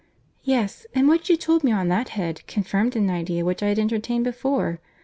"Yes, and what you told me on that head, confirmed an idea which I had entertained before.